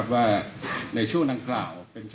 ว่าในช่วงดังกล่าว